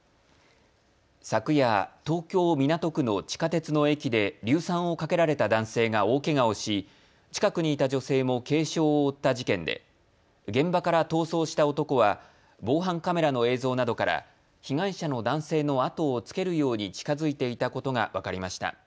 昨夜、東京港区の地下鉄の駅で硫酸をかけられた男性が大けがをし近くにいた女性も軽傷を負った事件で現場から逃走した男は防犯カメラの映像などから被害者の男性の後をつけるように近づいていたことが分かりました。